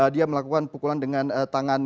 dia melakukan pukulan dengan tangan